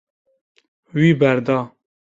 Wî berda.